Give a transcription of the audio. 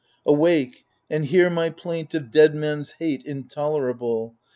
Awake, and hear My plaint of dead men's hate intolerable.